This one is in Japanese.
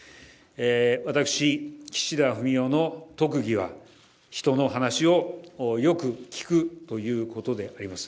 私、岸田文雄の特技は、人の話をよく聞くというところであります